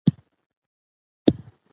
هغوی تل د خپلواکۍ او ازادۍ مينه وال وو.